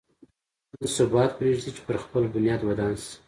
نه ثبات پرېږدي چې پر خپل بنیاد ودان شي.